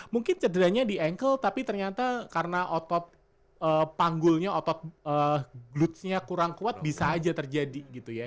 mungkin cederanya di engkel tapi ternyata karena otot panggulnya otot glutsnya kurang kuat bisa aja terjadi gitu ya